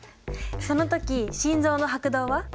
そのとき心臓の拍動は？